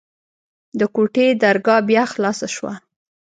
د کوټې درګاه بيا خلاصه سوه.